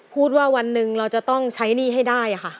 พูดว่าวันหนึ่งเราจะต้องใช้หนี้ให้ได้ค่ะ